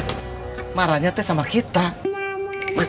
tepassa tidak developer ceritakan itu